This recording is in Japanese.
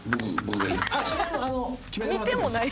見てもない。